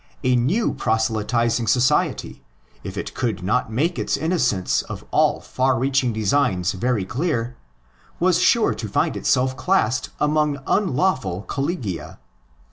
A new proselytising society, if it could not make its innocence of all far reaching designs very clear, was sure to find itself classed among un lawful collegia.